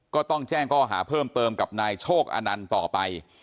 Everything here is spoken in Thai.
ก็ต้องแจ้งข้อหาเพิ่มเติมกับนายโชคอนันต์ต่อไป